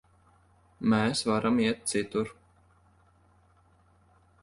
Mēs varam iet citur.